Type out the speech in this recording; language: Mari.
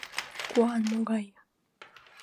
Куан могай.